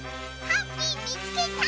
ハッピーみつけた！